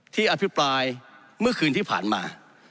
อภิปรายเมื่อคืนที่ผ่านมา